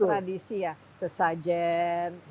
tradisi ya sesajen